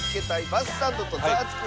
バスサンドと『ザワつく！